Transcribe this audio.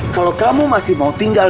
kalau kamu masih mau tinggal